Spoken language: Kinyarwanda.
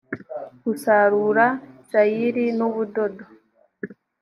gusarura sayiri n ubudodo